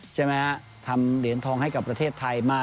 ใช่ไหมทำเหรียญทองให้กับประเทศไทยมาก